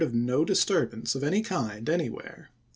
of no disturbance of any kind anywhere."